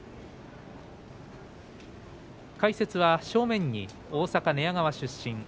解説は正面に大阪・寝屋川市出身